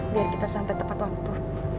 biar kita sampai tepat waktu